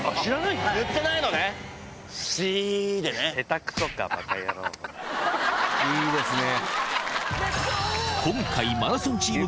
いいですね。